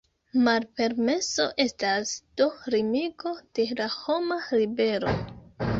Malpermeso estas do limigo de la homa libero.